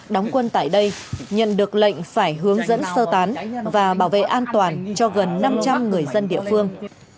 đóng quân tại đây nhận được lệnh phải hướng dẫn sơ tán và bảo vệ an toàn cho gần năm trăm linh người dân địa phương